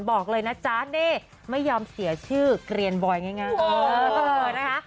บอกเลยนะจ๊ะนี่ไม่ยอมเสียชื่อเกลียนบอยง่ายนะคะ